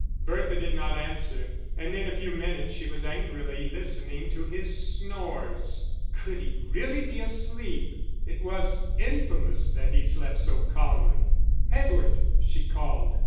Bertha did not answer, and in a few minutes she was angrily listening to his snores. Could he really be asleep? It was infamous that he slept so calmly. "Edward," she called.